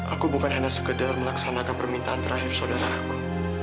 aku bukan hanya sekedar melaksanakan permintaan terakhir saudaraku